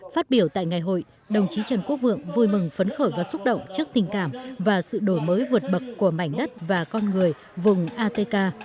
phát biểu tại ngày hội đồng chí trần quốc vượng vui mừng phấn khởi và xúc động trước tình cảm và sự đổi mới vượt bậc của mảnh đất và con người vùng atk